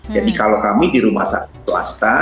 jadi kalau kami di rumah sakit swasta